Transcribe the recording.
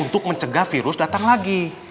untuk mencegah virus datang lagi